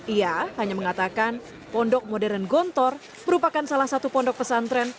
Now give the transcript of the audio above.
ia hanya mengatakan pondok modern gontor merupakan salah satu pondok pesantren